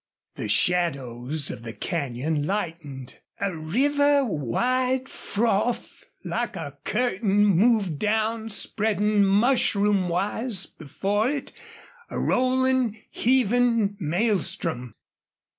The shadows of the canyon lightened. A river wide froth, like a curtain, moved down, spreading mushroom wise before it, a rolling, heaving maelstrom.